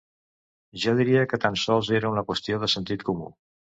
Jo diria que tan sols era una qüestió de sentit comú.